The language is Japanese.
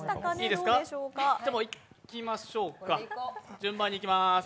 では順番にいきまーす。